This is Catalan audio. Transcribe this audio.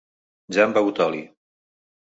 Ja han begut oli.